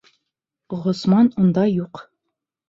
Ғосман унда юҡ.